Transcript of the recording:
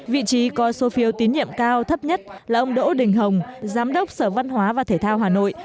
vị trí có số phiếu tín nhiệm cao thấp nhất là ông đỗ đình hồng giám đốc sở văn hóa và thể thao hà nội